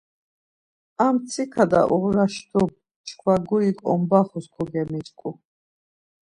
A mtsika daa oğraştum çkva gurik ombaxus kogemiç̌-ǩu.